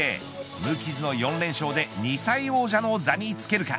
無傷の４連勝で２歳王者の座に着けるか。